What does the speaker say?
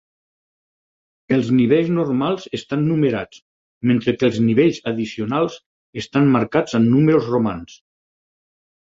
Els nivells normals estan numerats, mentre que els nivells addicionals estan marcats amb números romans.